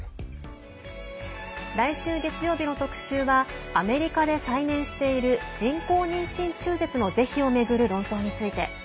来週月曜日の特集はアメリカで再燃している人工妊娠中絶の是非を巡る論争について。